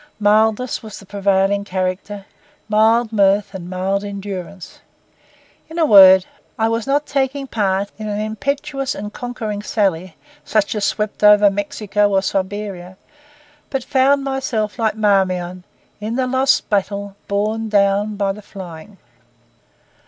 Mildness was the prevailing character; mild mirth and mild endurance. In a word, I was not taking part in an impetuous and conquering sally, such as swept over Mexico or Siberia, but found myself, like Marmion, 'in the lost battle, borne down by the flying.